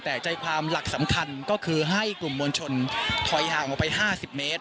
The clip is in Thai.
แต่ใจความหลักสำคัญก็คือให้กลุ่มมวลชนถอยห่างออกไป๕๐เมตร